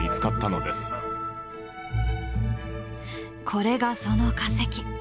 これがその化石。